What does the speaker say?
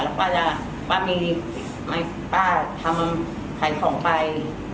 แล้วป๊าจะป๊ามีป๊าทำมาขายของไป